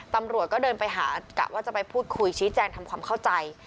ตำรวจก็เดินไปหากะว่าจะไปพูดคุยชี้แจงทำความเข้าใจ